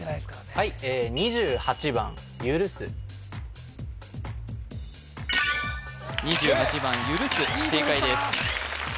はいええ２８番ゆるす正解です